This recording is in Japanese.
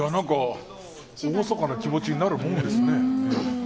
厳かな気持ちになるものですね。